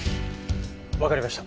わかりました。